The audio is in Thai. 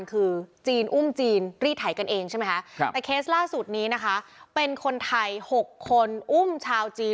คือจีนอุ้มจีนรีดไทยแต่เคสล่าสุดนี้เป็นคนไทยหกคนอุ้มชาวจีน